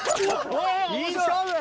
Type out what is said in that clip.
いい勝負！